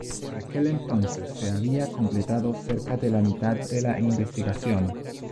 Por aquel entonces, se había completado cerca de la mitad de la investigación.